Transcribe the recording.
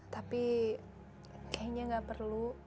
tapi kayaknya gak perlu